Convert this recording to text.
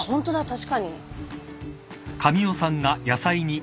確かに。